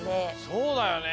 そうだよね。